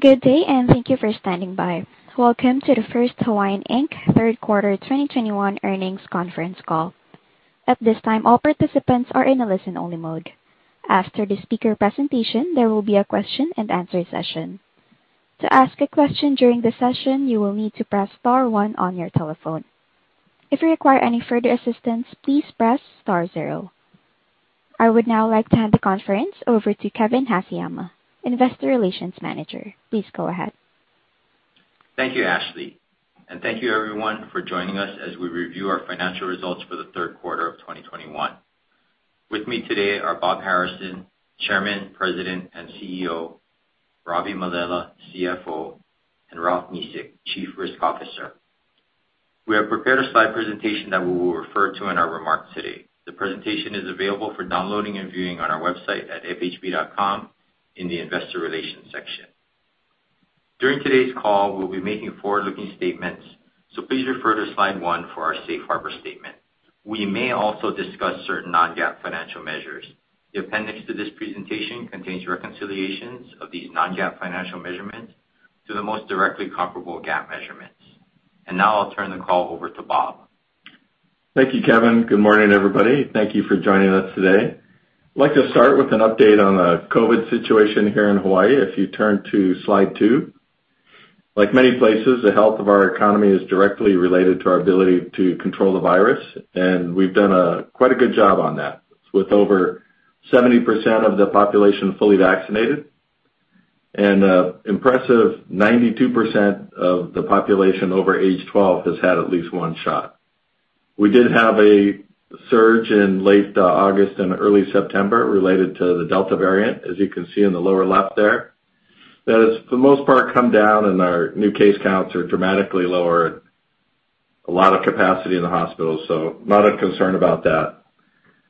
Good day, and thank you for standing by. Welcome to the First Hawaiian, Inc third quarter 2021 earnings conference call. At this time, all participants are in a listen only mode. After the speaker presentation, there will be a question and answer session. To ask a question during the session, you will need to press star one on your telephone. If you require any further assistance please press star zero. I would now like to hand the conference over to Kevin Haseyama, investor relations manager. Please go ahead. Thank you, Ashley. Thank you everyone for joining us as we review our financial results for the third quarter of 2021. With me today are Bob Harrison, Chairman, President, and CEO, Ravi Mallela, CFO, and Ralph Mesick, Chief Risk Officer. We have prepared a slide presentation that we will refer to in our remarks today. The presentation is available for downloading and viewing on our website at fhb.com in the investor relations section. During today's call, we'll be making forward-looking statements, so please refer to slide one for our safe harbor statement. We may also discuss certain non-GAAP financial measures. The appendix to this presentation contains reconciliations of these non-GAAP financial measurements to the most directly comparable GAAP measurements. Now I'll turn the call over to Bob. Thank you, Kevin. Good morning, everybody. Thank you for joining us today. I'd like to start with an update on the COVID situation here in Hawaii. If you turn to slide two. Like many places, the health of our economy is directly related to our ability to control the virus, and we've done quite a good job on that. With over 70% of the population fully vaccinated and an impressive 92% of the population over age 12 has had at least one shot. We did have a surge in late August and early September related to the Delta variant, as you can see in the lower left there. That has, for the most part, come down, and our new case counts are dramatically lower. A lot of capacity in the hospital, so not a concern about that.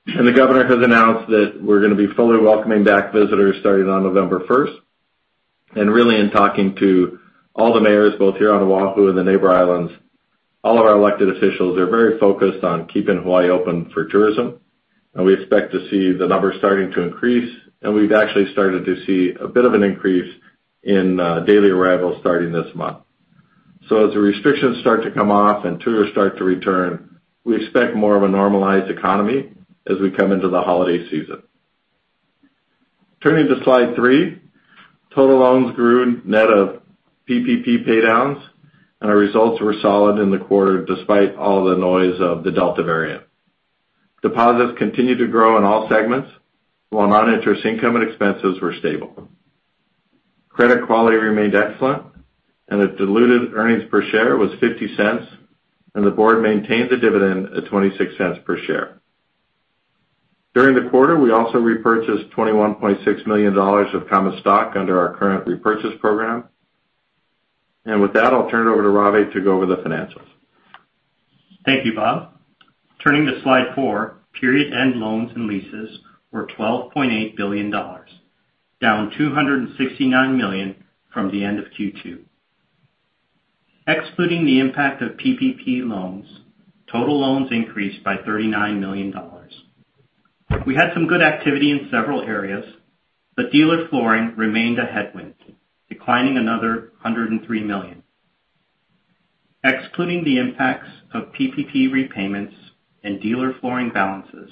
The governor has announced that we're going to be fully welcoming back visitors starting on November 1. Really in talking to all the mayors, both here on Oahu and the neighbor islands, all of our elected officials are very focused on keeping Hawaii open for tourism. We expect to see the numbers starting to increase. We've actually started to see a bit of an increase in daily arrivals starting this month. As the restrictions start to come off and tourists start to return, we expect more of a normalized economy as we come into the holiday season. Turning to slide three. Total loans grew net of PPP paydowns, and our results were solid in the quarter, despite all the noise of the Delta variant. Deposits continued to grow in all segments, while non-interest income and expenses were stable. Credit quality remained excellent, and the diluted earnings per share was $0.50, and the board maintained the dividend at $0.26 per share. During the quarter, we also repurchased $21.6 million of common stock under our current repurchase program. With that, I'll turn it over to Ravi to go over the financials. Thank you, Bob. Turning to slide four, period end loans and leases were $12.8 billion, down $269 million from the end of Q2. Excluding the impact of PPP loans, total loans increased by $39 million. We had some good activity in several areas, but dealer flooring remained a headwind, declining another $103 million. Excluding the impacts of PPP repayments and dealer flooring balances,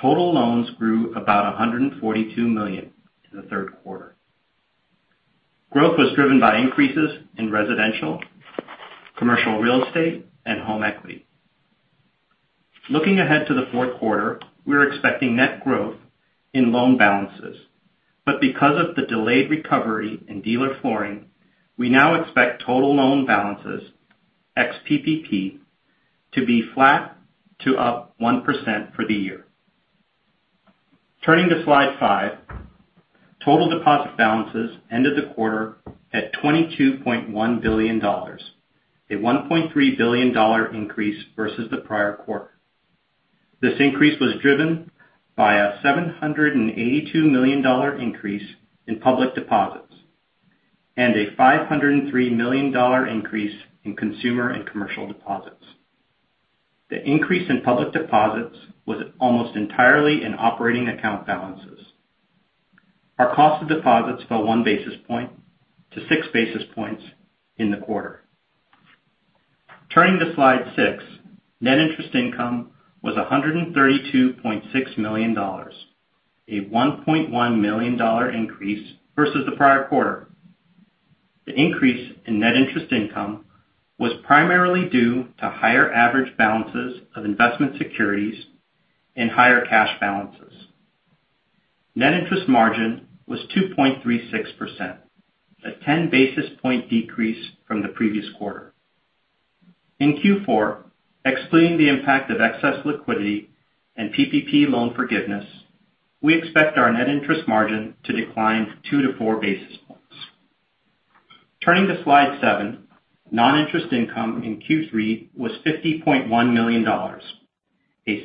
total loans grew about $142 million in the third quarter. Growth was driven by increases in residential, commercial real estate, and home equity. Looking ahead to the fourth quarter, we're expecting net growth in loan balances. Because of the delayed recovery in dealer flooring, we now expect total loan balances ex PPP to be flat to up 1% for the year. Turning to slide five. Total deposit balances ended the quarter at $22.1 billion, a $1.3 billion increase versus the prior quarter. This increase was driven by a $782 million increase in public deposits and a $503 million increase in consumer and commercial deposits. The increase in public deposits was almost entirely in operating account balances. Our cost of deposits fell 1 basis point to 6 basis points in the quarter. Turning to slide six. Net interest income was $132.6 million, a $1.1 million increase versus the prior quarter. The increase in net interest income was primarily due to higher average balances of investment securities and higher cash balances. Net interest margin was 2.36%, a 10 basis point decrease from the previous quarter. In Q4, excluding the impact of excess liquidity and PPP loan forgiveness, we expect our net interest margin to decline 2 to 4 basis points. Turning to slide seven. Non-interest income in Q3 was $50.1 million, a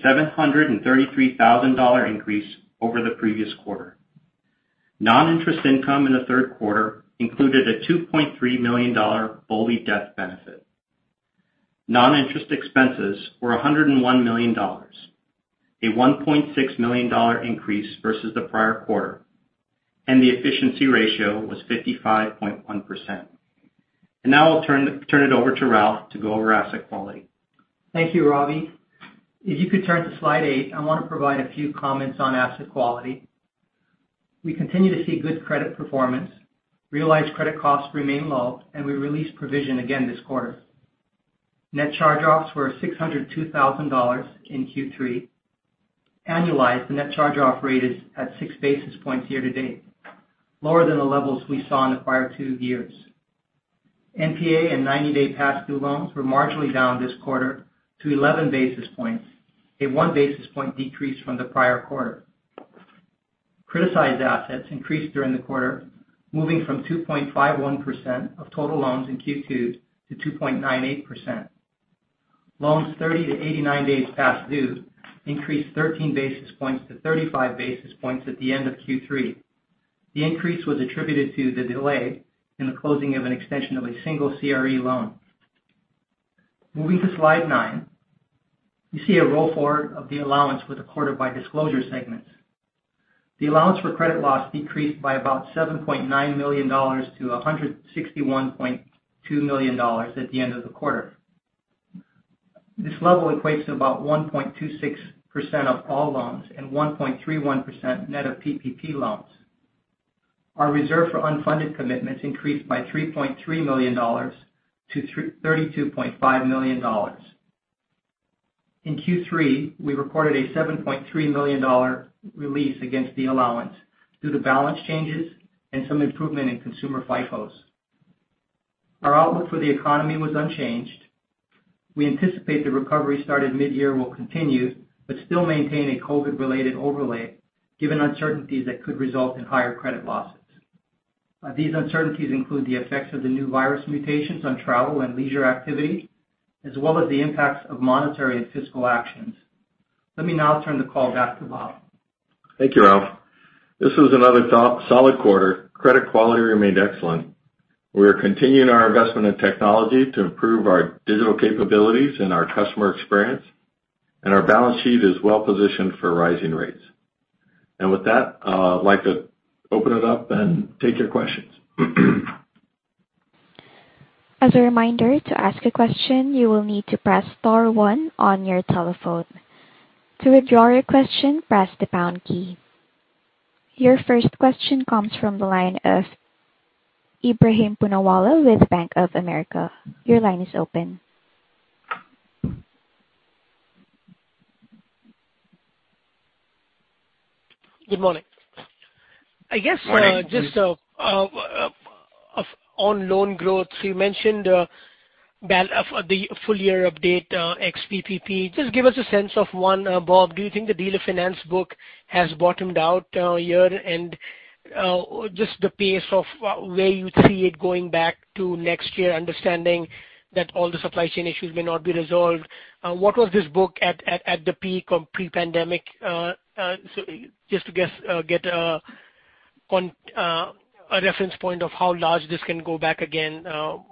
$733,000 increase over the previous quarter. Non-interest income in the third quarter included a $2.3 million BOLI death benefit. Non-interest expenses were $101 million, a $1.6 million increase versus the prior quarter, and the efficiency ratio was 55.1%. Now I'll turn it over to Ralph to go over asset quality. Thank you, Ravi. If you could turn to slide eight, I want to provide a few comments on asset quality. We continue to see good credit performance. Realized credit costs remain low, and we released provision again this quarter. Net charge-offs were $602,000 in Q3. Annualized, the net charge-off rate is at 6 basis points year to date, lower than the levels we saw in the prior two years. NPA and 90-day past due loans were marginally down this quarter to 11 basis points, a 1 basis point decrease from the prior quarter. Criticized assets increased during the quarter, moving from 2.51% of total loans in Q2 to 2.98%. Loans 30 to 89 days past due increased 13 basis points to 35 basis points at the end of Q3. The increase was attributed to the delay in the closing of an extension of a single CRE loan. Moving to slide nine, you see a roll forward of the allowance with a quarter by disclosure segments. The allowance for credit loss decreased by about $7.9 million to $161.2 million at the end of the quarter. This level equates to about 1.26% of all loans and 1.31% net of PPP loans. Our reserve for unfunded commitments increased by $3.3 million to $32.5 million. In Q3, we recorded a $7.3 million release against the allowance due to balance changes and some improvement in consumer FICOs. Our outlook for the economy was unchanged. We anticipate the recovery started mid-year will continue but still maintain a COVID-related overlay given uncertainties that could result in higher credit losses. These uncertainties include the effects of the new virus mutations on travel and leisure activity, as well as the impacts of monetary and fiscal actions. Let me now turn the call back to Bob. Thank you, Ralph. This was another solid quarter. Credit quality remained excellent. We are continuing our investment in technology to improve our digital capabilities and our customer experience, and our balance sheet is well positioned for rising rates. With that, I'd like to open it up and take your questions. As a reminder, to ask a question, you will need to press star one on your telephone. To withdraw your question, press the pound key. Your first question comes from the line of Ebrahim Poonawala with Bank of America. Your line is open. Good morning. Morning. I guess just on loan growth, you mentioned the full year update ex PPP. Just give us a sense of one, Bob, do you think the dealer finance book has bottomed out year? Just the pace of where you see it going back to next year, understanding that all the supply chain issues may not be resolved. What was this book at the peak of pre-pandemic? Just to get a reference point of how large this can go back again.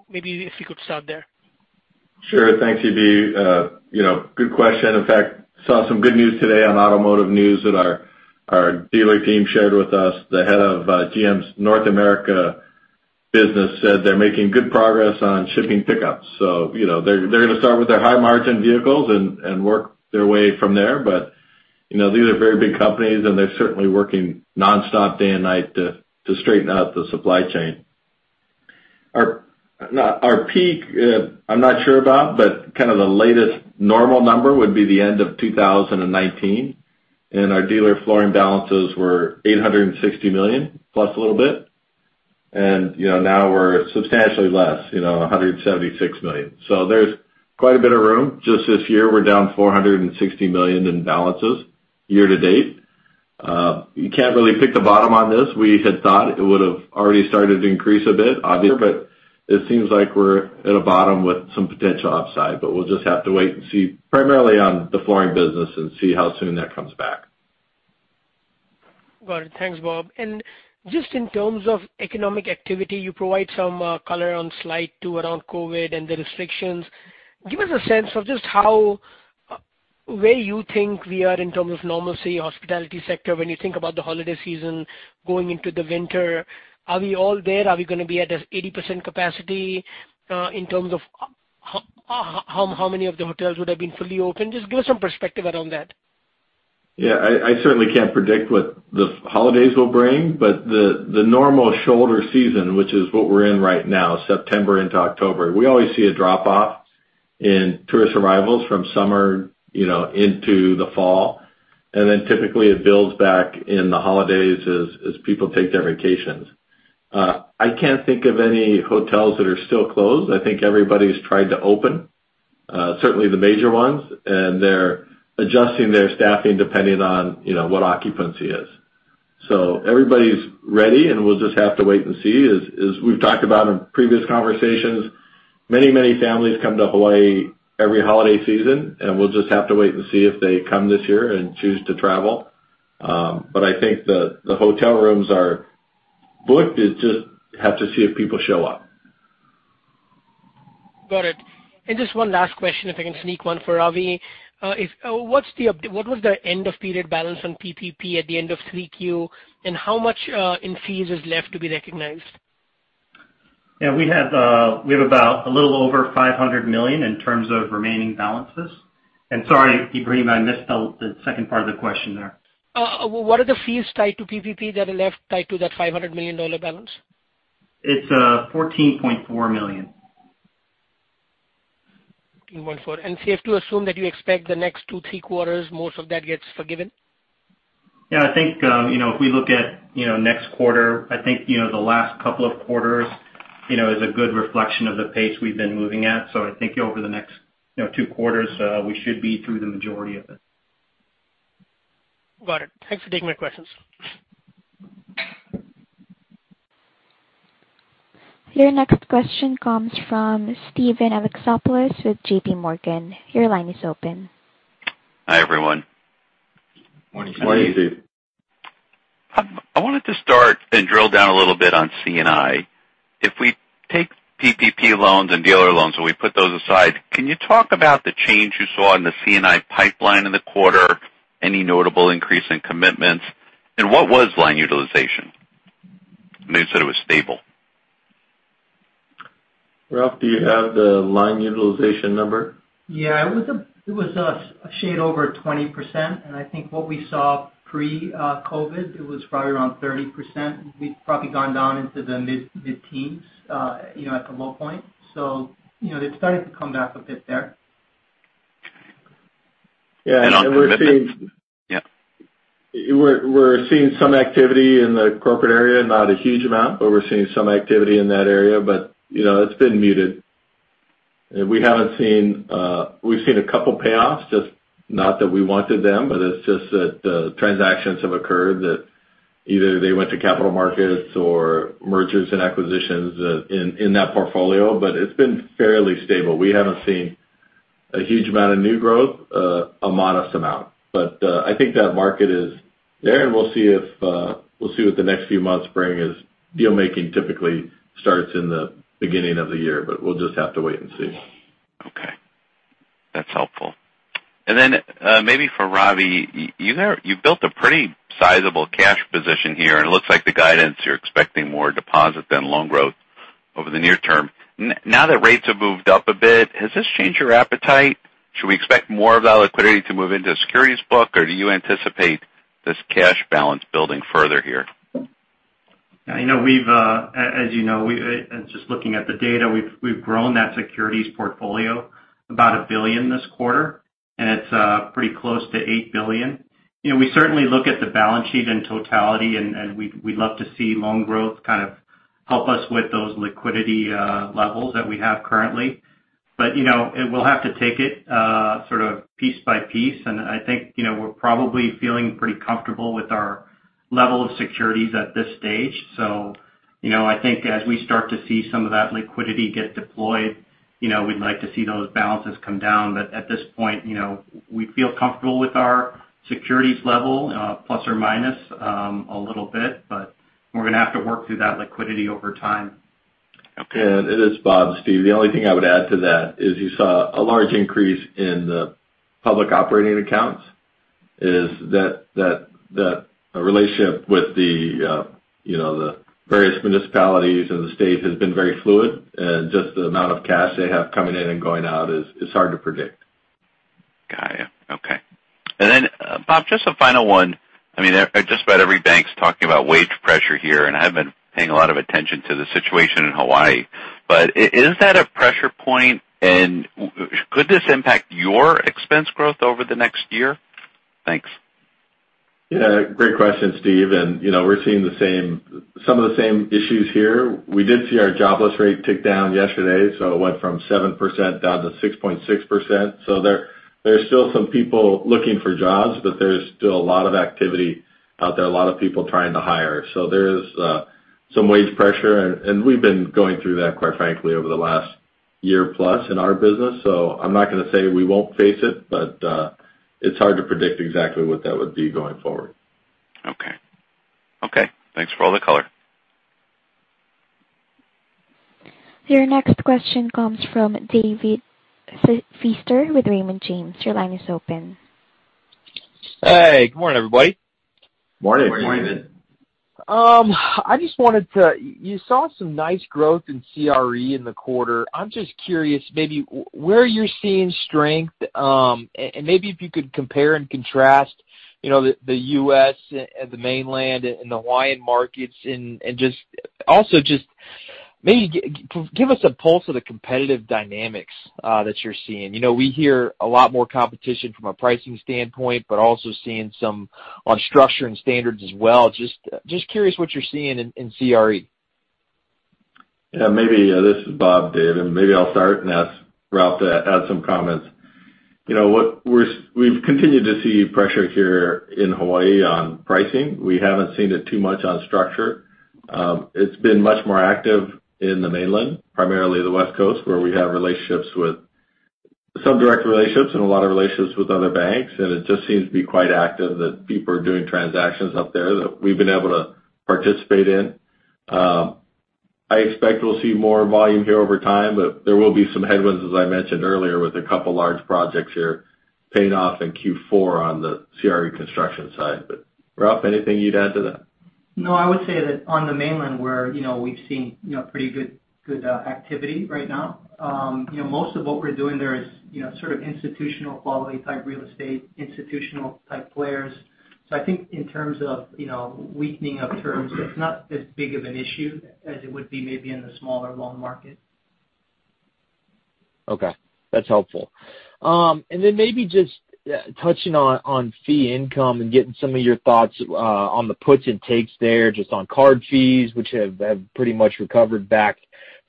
Maybe if you could start there. Sure. Thanks, Eb. Good question. In fact, saw some good news today on automotive news that our dealer team shared with us. The head of GM's North America business said they're making good progress on shipping pickups. They're going to start with their high margin vehicles and work their way from there. These are very big companies, and they're certainly working nonstop day and night to straighten out the supply chain. Our peak, I'm not sure about, but kind of the latest normal number would be the end of 2019, and our dealer flooring balances were $860 million plus a little bit. Now we're substantially less, $176 million. There's quite a bit of room. Just this year, we're down $460 million in balances year to date. You can't really pick the bottom on this. We had thought it would have already started to increase a bit, obviously, but it seems like we're at a bottom with some potential upside. We'll just have to wait and see, primarily on the flooring business and see how soon that comes back. Got it. Thanks, Bob. Just in terms of economic activity, you provide some color on slide two around COVID and the restrictions. Give us a sense of just where you think we are in terms of normalcy, hospitality sector, when you think about the holiday season going into the winter. Are we all there? Are we going to be at this 80% capacity in terms of how many of the hotels would have been fully open? Just give us some perspective around that. Yeah. I certainly can't predict what the holidays will bring. The normal shoulder season, which is what we're in right now, September into October, we always see a drop off in tourist arrivals from summer into the fall. Typically it builds back in the holidays as people take their vacations. I can't think of any hotels that are still closed. I think everybody's tried to open, certainly the major ones, and they're adjusting their staffing depending on what occupancy is. Everybody's ready, and we'll just have to wait and see. As we've talked about in previous conversations, many families come to Hawaii every holiday season, and we'll just have to wait and see if they come this year and choose to travel. I think the hotel rooms are booked, just have to see if people show up. Got it. Just one last question, if I can sneak one for Ravi. What was the end of period balance on PPP at the end of 3Q, and how much in fees is left to be recognized? Yeah, we have a little over $500 million in terms of remaining balances. Sorry, Ebrahim, I missed the second part of the question there. What are the fees tied to PPP that are left tied to that $500 million balance? It's $14.4 million. Safe to assume that you expect the next two, three quarters, most of that gets forgiven? Yeah, I think if we look at next quarter, I think, the last couple of quarters is a good reflection of the pace we've been moving at. I think over the next two quarters, we should be through the majority of it. Got it. Thanks for taking my questions. Your next question comes from Steven Alexopoulos with JPMorgan. Your line is open. Hi, everyone. Morning, Steven. Morning, Steven. I wanted to start and drill down a little bit on C&I. If we take PPP loans and dealer loans, and we put those aside, can you talk about the change you saw in the C&I pipeline in the quarter? Any notable increase in commitments? What was line utilization? I know you said it was stable. Ralph, do you have the line utilization number? Yeah. It was a shade over 20%, and I think what we saw pre-COVID, it was probably around 30%. We'd probably gone down into the mid-teens at the low point. It's starting to come back a bit there. Yeah. Yeah. We're seeing some activity in the corporate area. Not a huge amount, but we're seeing some activity in that area. It's been muted. We've seen a couple payoffs, just not that we wanted them, but it's just that the transactions have occurred that either they went to capital markets or mergers and acquisitions in that portfolio. It's been fairly stable. We haven't seen a huge amount of new growth, a modest amount. I think that market is there, and we'll see what the next few months bring as deal-making typically starts in the beginning of the year, but we'll just have to wait and see. Okay. That's helpful. Maybe for Ravi, you built a pretty sizable cash position here, and it looks like the guidance you're expecting more deposit than loan growth over the near term. Now that rates have moved up a bit, has this changed your appetite? Should we expect more of that liquidity to move into the securities book, or do you anticipate this cash balance building further here? As you know, just looking at the data, we've grown that securities portfolio about $1 billion this quarter, and it's pretty close to $8 billion. We certainly look at the balance sheet in totality, and we'd love to see loan growth kind of help us with those liquidity levels that we have currently. We'll have to take it sort of piece by piece. I think we're probably feeling pretty comfortable with our level of securities at this stage. I think as we start to see some of that liquidity get deployed, we'd like to see those balances come down. At this point, we feel comfortable with our securities level, plus or minus a little bit, but we're going to have to work through that liquidity over time. Okay. It is Bob, Steve. The only thing I would add to that is you saw a large increase in the public operating accounts is that a relationship with the various municipalities and the state has been very fluid. Just the amount of cash they have coming in and going out is hard to predict. Got you. Okay. Bob, just a final one. I mean, just about every bank's talking about wage pressure here, and I haven't been paying a lot of attention to the situation in Hawaii. Is that a pressure point, and could this impact your expense growth over the next year? Thanks. Yeah. Great question, Steve. We're seeing some of the same issues here. We did see our jobless rate tick down yesterday. It went from 7% down to 6.6%. There are still some people looking for jobs, but there's still a lot of activity out there, a lot of people trying to hire. There is some wage pressure, and we've been going through that, quite frankly, over the last year plus in our business. I'm not going to say we won't face it, but it's hard to predict exactly what that would be going forward. Okay. Thanks for all the color. Your next question comes from David Feaster with Raymond James. Your line is open. Hey, good morning, everybody. Morning, David. Morning. You saw some nice growth in CRE in the quarter. I'm just curious maybe where you're seeing strength, and maybe if you could compare and contrast the U.S. and the mainland and the Hawaiian markets and also just maybe give us a pulse of the competitive dynamics that you're seeing. We hear a lot more competition from a pricing standpoint, also seeing some on structure and standards as well. Just curious what you're seeing in CRE. This is Bob, David. Maybe I'll start and ask Ralph to add some comments. We've continued to see pressure here in Hawaii on pricing. We haven't seen it too much on structure. It's been much more active in the mainland, primarily the West Coast, where we have relationships with some direct relationships and a lot of relationships with other banks, and it just seems to be quite active that people are doing transactions up there that we've been able to participate in. I expect we'll see more volume here over time, but there will be some headwinds, as I mentioned earlier, with a couple large projects here paying off in Q4 on the CRE construction side. Ralph, anything you'd add to that? I would say that on the mainland where we've seen pretty good activity right now. Most of what we're doing there is sort of institutional quality type real estate, institutional type players. I think in terms of weakening of terms, it's not as big of an issue as it would be maybe in the smaller loan market. Okay. That's helpful. Maybe just touching on fee income and getting some of your thoughts on the puts and takes there, just on card fees, which have pretty much recovered back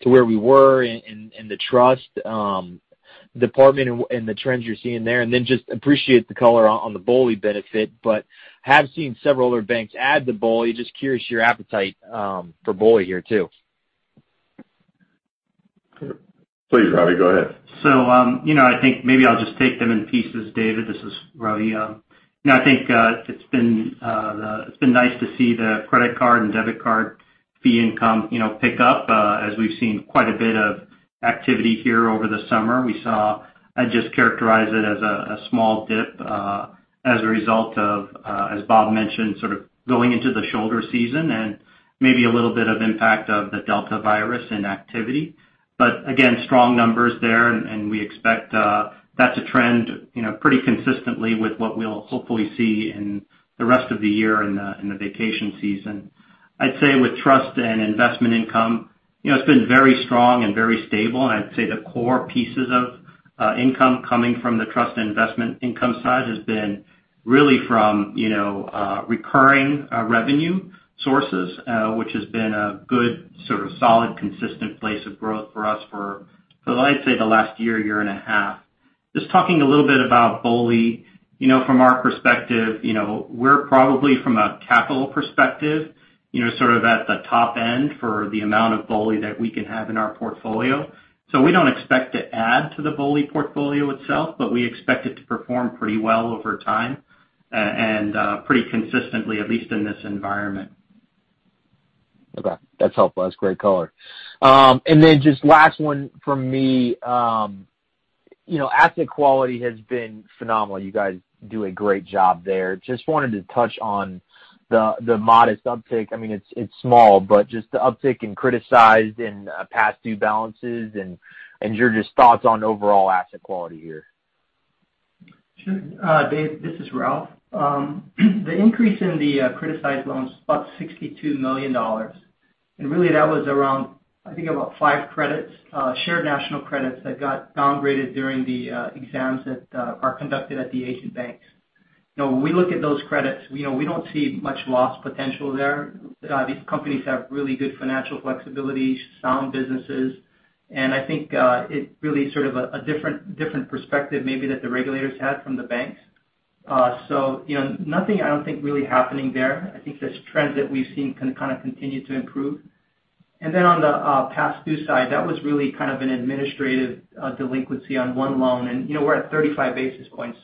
to where we were in the trust department and the trends you're seeing there. Just appreciate the color on the BOLI benefit, but have seen several other banks add to BOLI. Just curious your appetite for BOLI here too. Please, Ravi, go ahead. I think maybe I'll just take them in pieces, David. This is Ravi. I think it's been nice to see the credit card and debit card fee income pick up as we've seen quite a bit of activity here over the summer. We saw, I'd just characterize it as a small dip as a result of, as Bob mentioned, sort of going into the shoulder season and maybe a little bit of impact of the Delta virus in activity. Again, strong numbers there, and we expect that to trend pretty consistently with what we'll hopefully see in the rest of the year in the vacation season. I'd say with trust and investment income, it's been very strong and very stable, and I'd say the core pieces of income coming from the trust investment income side has been really from recurring revenue sources which has been a good, sort of solid, consistent place of growth for us for I'd say the last year and a half. Just talking a little bit about BOLI. From our perspective, we're probably from a capital perspective sort of at the top end for the amount of BOLI that we can have in our portfolio. We don't expect to add to the BOLI portfolio itself, but we expect it to perform pretty well over time and pretty consistently, at least in this environment. Okay. That's helpful. That's great color. Just last one from me. Asset quality has been phenomenal. You guys do a great job there. Just wanted to touch on the modest uptick. It's small, but just the uptick in criticized and past due balances and your just thoughts on overall asset quality here. Sure. Dave, this is Ralph. The increase in the criticized loans was about $62 million. Really that was around, I think, about five credits, Shared National Credit that got downgraded during the exams that are conducted at the agent banks. When we look at those credits, we don't see much loss potential there. These companies have really good financial flexibility, sound businesses. I think it really is sort of a different perspective maybe that the regulators had from the banks. Nothing I don't think really happening there. I think this trend that we've seen can kind of continue to improve. Then on the past due side, that was really kind of an administrative delinquency on one loan, and we're at 35 basis points,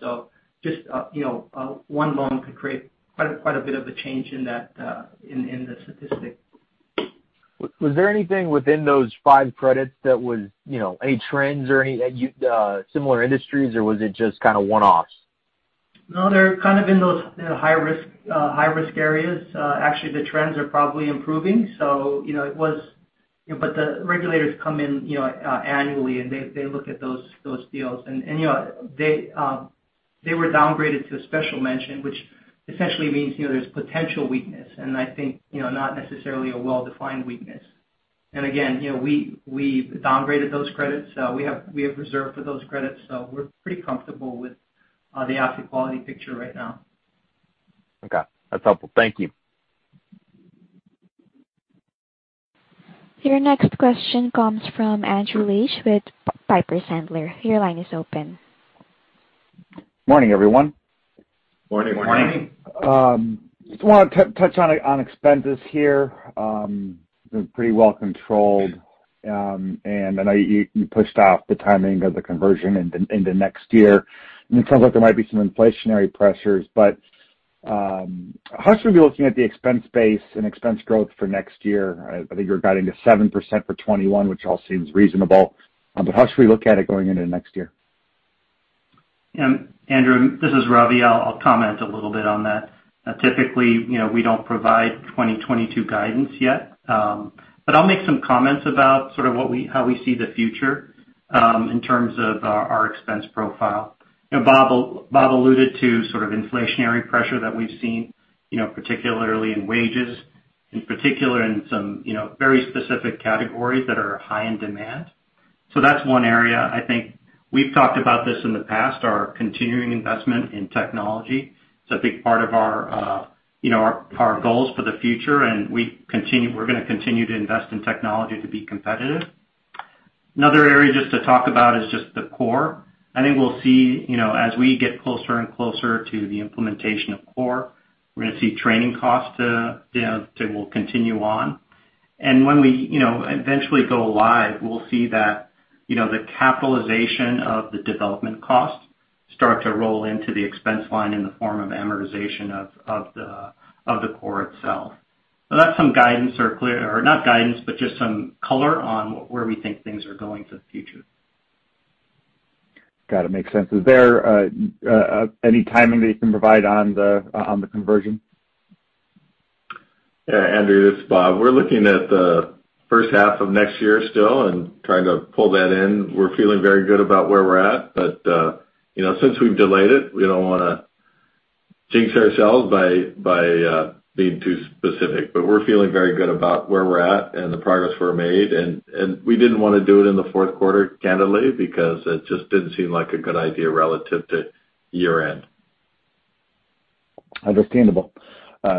just one loan could create quite a bit of a change in the statistic. Was there anything within those five credits that was any trends or similar industries, or was it just kind of one-offs? They're kind of in those high-risk areas. Actually, the trends are probably improving. The regulators come in annually, and they look at those deals. They were downgraded to a special mention, which essentially means there's potential weakness, and I think not necessarily a well-defined weakness. Again, we've downgraded those credits, we have reserved for those credits. We're pretty comfortable with the asset quality picture right now. Okay. That's helpful. Thank you. Your next question comes from Andrew Liesch with Piper Sandler. Your line is open. Morning, everyone. Morning. Morning. Just want to touch on expenses here. They're pretty well controlled. I know you pushed out the timing of the conversion into next year, and it sounds like there might be some inflationary pressures, but how should we be looking at the expense base and expense growth for next year? I think you're guiding to 7% for 2021, which all seems reasonable. How should we look at it going into next year? Andrew, this is Ravi. I'll comment a little bit on that. Typically, we don't provide 2022 guidance yet. I'll make some comments about sort of how we see the future in terms of our expense profile. Bob alluded to sort of inflationary pressure that we've seen particularly in wages, in particular in some very specific categories that are high in demand. That's one area I think we've talked about this in the past, our continuing investment in technology. It's a big part of our goals for the future, and we're going to continue to invest in technology to be competitive. Another area just to talk about is just the core. I think we'll see as we get closer and closer to the implementation of core, we're going to see training costs they will continue on. When we eventually go live, we'll see that the capitalization of the development cost start to roll into the expense line in the form of amortization of the core itself. That's some guidance or clear, or not guidance, but just some color on where we think things are going for the future. Got it. Makes sense. Is there any timing that you can provide on the conversion? Yeah, Andrew, this is Bob. We're looking at the first half of next year still and trying to pull that in. We're feeling very good about where we're at, but since we've delayed it, we don't want to jinx ourselves by being too specific. We're feeling very good about where we're at and the progress we're made. We didn't want to do it in the fourth quarter, candidly, because it just didn't seem like a good idea relative to year-end. Understandable.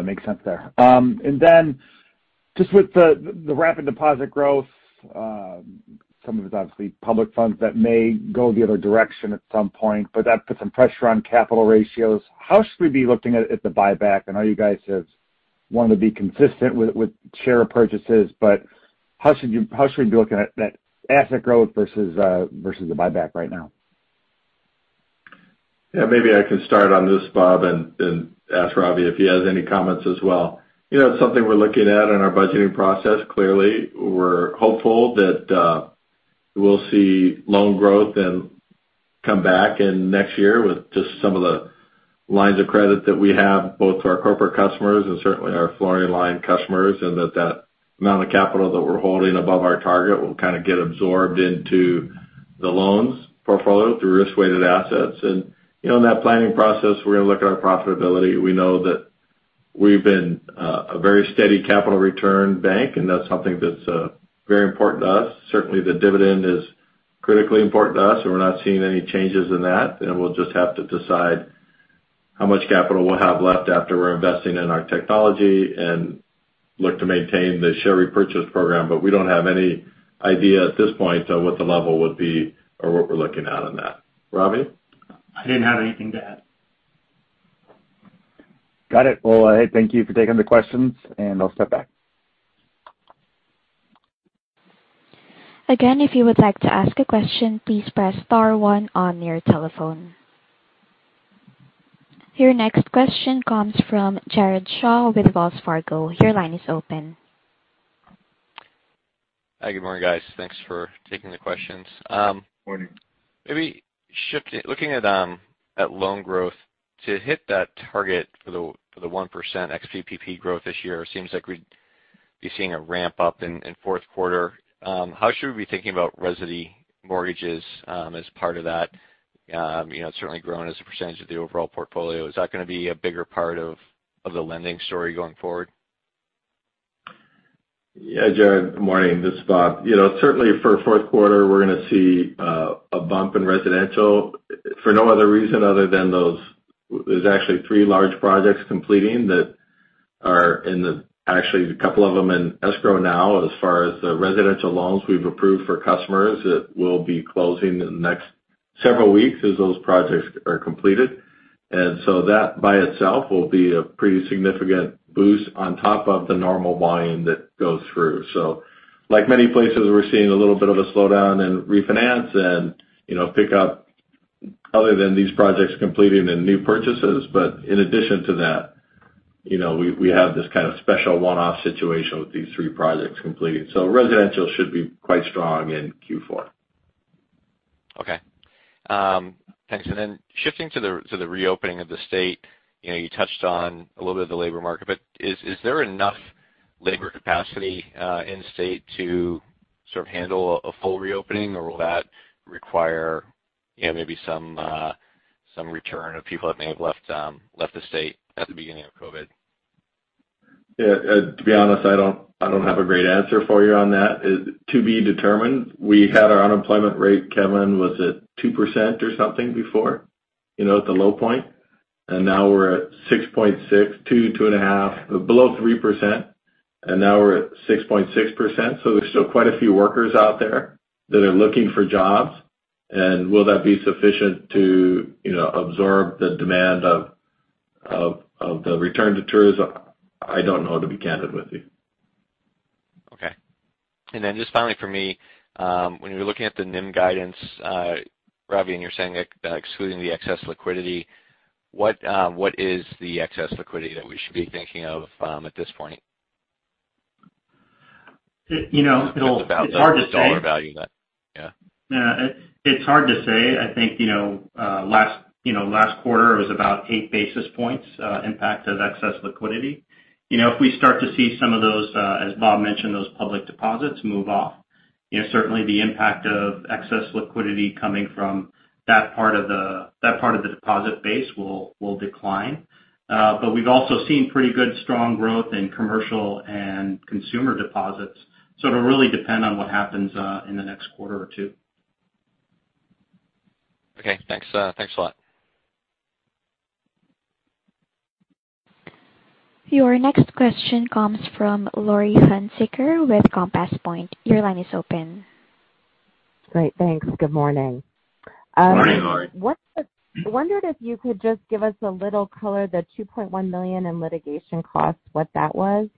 Makes sense there. Then just with the rapid deposit growth, some of it's obviously public funds that may go the other direction at some point, but that puts some pressure on capital ratios. How should we be looking at the buyback? I know you guys have wanted to be consistent with share purchases, but how should we be looking at that asset growth versus the buyback right now? Yeah, maybe I can start on this, Bob, and ask Ravi if he has any comments as well. It's something we're looking at in our budgeting process, clearly. We're hopeful that we'll see loan growth come back in next year with just some of the lines of credit that we have, both to our corporate customers and certainly our flooring line customers, and that amount of capital that we're holding above our target will kind of get absorbed into the loans portfolio through risk-weighted assets. In that planning process, we're going to look at our profitability. We know that we've been a very steady capital return bank, and that's something that's very important to us. Certainly, the dividend is critically important to us, and we're not seeing any changes in that. We'll just have to decide how much capital we'll have left after we're investing in our technology and look to maintain the share repurchase program. We don't have any idea at this point of what the level would be or what we're looking at on that. Ravi? I didn't have anything to add. Got it. Well, thank you for taking the questions, and I'll step back. Again, if you would like to ask a question, please press star one on your telephone. Your next question comes from Jared Shaw with Wells Fargo. Your line is open. Hi, good morning, guys. Thanks for taking the questions. Morning. Maybe looking at loan growth, to hit that target for the 1% ex PPP growth this year, it seems like we'd be seeing a ramp up in fourth quarter. How should we be thinking about resi mortgages as part of that? It's certainly grown as a percentage of the overall portfolio. Is that going to be a bigger part of the lending story going forward? Yeah, Jared, good morning. This is Bob. Certainly for fourth quarter, we're going to see a bump in residential for no other reason other than there's actually three large projects completing that are actually, a couple of them in escrow now as far as the residential loans we've approved for customers that will be closing in the next several weeks as those projects are completed. That by itself will be a pretty significant boost on top of the normal volume that goes through. Like many places, we're seeing a little bit of a slowdown in refinance and pick up other than these projects completing and new purchases. In addition to that, we have this kind of special one-off situation with these three projects completing. Residential should be quite strong in Q4. Okay. Thanks. Shifting to the reopening of the state, you touched on a little bit of the labor market, but is there enough labor capacity in state to sort of handle a full reopening? Will that require maybe some return of people that may have left the state at the beginning of COVID? Yeah. To be honest, I don't have a great answer for you on that. To be determined. We had our unemployment rate, Kevin, was it 2% or something before? At the low point. Now we're at 6.6%, 2.5%, below 3%, and now we're at 6.6%. There's still quite a few workers out there that are looking for jobs. Will that be sufficient to absorb the demand of the return to tourism? I don't know, to be candid with you. Okay. Just finally for me, when you're looking at the NIM guidance, Ravi, and you're saying that excluding the excess liquidity, what is the excess liquidity that we should be thinking of at this point? It's hard to say. Dollar value. Yeah. Yeah. It's hard to say. I think last quarter, it was about 8 basis points impact of excess liquidity. If we start to see some of those, as Bob mentioned, those public deposits move off, certainly the impact of excess liquidity coming from that part of the deposit base will decline. We've also seen pretty good strong growth in commercial and consumer deposits. It'll really depend on what happens in the next quarter or two. Okay. Thanks a lot. Your next question comes from Laurie Hunsicker with Compass Point. Your line is open. Great. Thanks. Good morning. Morning, Laurie. I wondered if you could just give us a little color, the $2.1 million in litigation costs, what that was?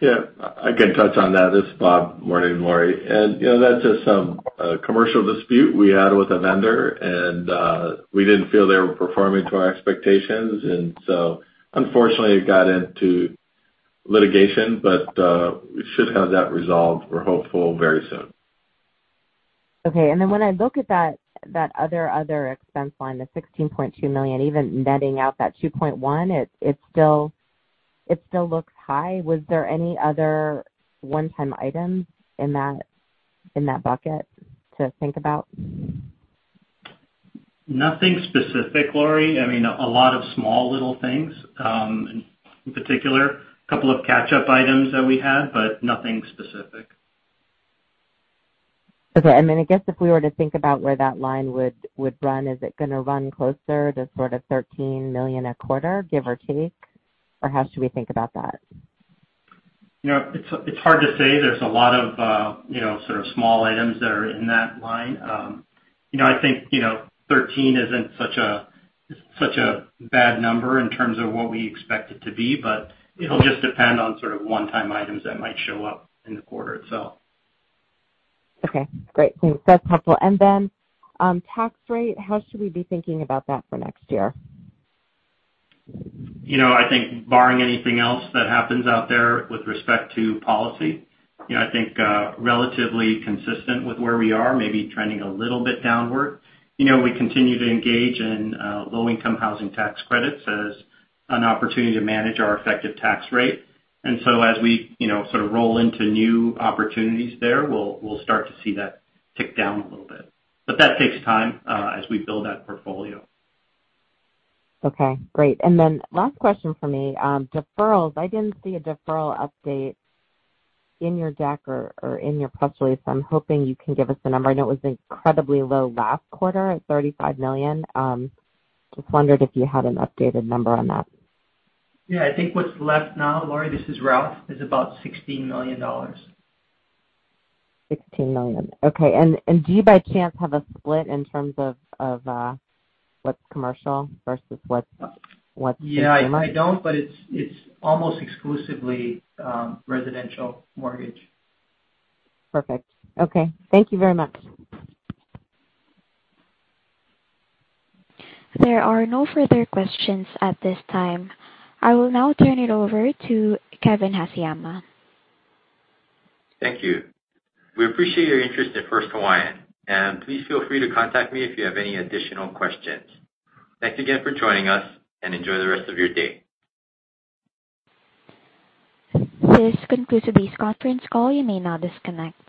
Yeah, I can touch on that. This is Bob. Morning, Laurie. That's just some commercial dispute we had with a vendor, and we didn't feel they were performing to our expectations. Unfortunately it got into litigation, but we should have that resolved, we're hopeful, very soon. Okay. Then when I look at that other expense line, the $16.2 million, even netting out that $2.1, it still looks high. Was there any other one-time items in that bucket to think about? Nothing specific, Laurie. I mean, a lot of small little things. In particular, a couple of catch-up items that we had, but nothing specific. Okay. I guess if we were to think about where that line would run, is it going to run closer to sort of $13 million a quarter, give or take? How should we think about that? It's hard to say. There's a lot of sort of small items that are in that line. I think 13 isn't such a bad number in terms of what we expect it to be, but it'll just depend on sort of one-time items that might show up in the quarter itself. Okay, great. Thanks. That's helpful. Tax rate, how should we be thinking about that for next year? I think barring anything else that happens out there with respect to policy, I think relatively consistent with where we are, maybe trending a little bit downward. We continue to engage in Low-Income Housing Tax Credit as an opportunity to manage our effective tax rate. As we sort of roll into new opportunities there, we'll start to see that tick down a little bit. But that takes time as we build that portfolio. Okay, great. Last question from me, deferrals. I didn't see a deferral update in your deck or in your press release. I'm hoping you can give us a number. I know it was incredibly low last quarter at $35 million. Just wondered if you had an updated number on that. I think what's left now, Laurie, this is Ralph, is about $16 million. $16 million. Okay. Do you by chance have a split in terms of what's commercial versus? Yeah, I don't, but it's almost exclusively residential mortgage. Perfect. Okay. Thank you very much. There are no further questions at this time. I will now turn it over to Kevin Haseyama. Thank you. We appreciate your interest in First Hawaiian, and please feel free to contact me if you have any additional questions. Thanks again for joining us and enjoy the rest of your day. This concludes today's conference call. You may now disconnect.